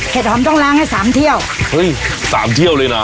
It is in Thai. หอมต้องล้างให้สามเที่ยวเฮ้ยสามเที่ยวเลยน่ะ